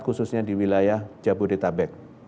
khususnya di wilayah jabodetabek